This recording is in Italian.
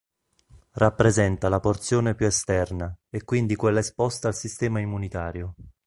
Rappresenta la porzione più esterna, e quindi quella esposta al sistema immunitario.